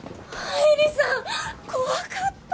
エリさん怖かった。